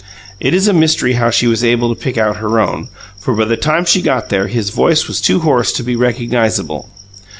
It is a mystery how she was able to pick out her own, for by the time she got there his voice was too hoarse to be recognizable.